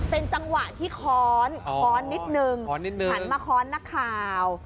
เป็นจังหวะที่ค้อนค้อนนิดนึงหันมาค้อนนักข่าว